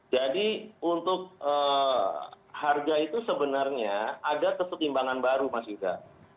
jadi untuk harga itu sebenarnya ada kesetimbangan baru mas yuda